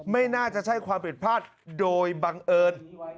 ไม่น่าจะใช่ความผิดพลาดโดยบังเอิญ